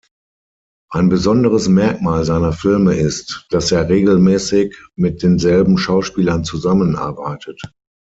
Ein besonderes Merkmal seiner Filme ist, dass er regelmäßig mit denselben Schauspielern zusammenarbeitet.